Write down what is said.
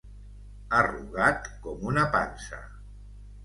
Arrugat com una pansa.